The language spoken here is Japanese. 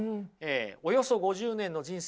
およそ５０年の人生